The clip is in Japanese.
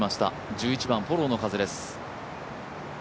１１番、フォローの風です。